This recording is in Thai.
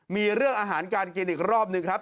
มีเรื่องอาหารการกินอีกรอบหนึ่งครับ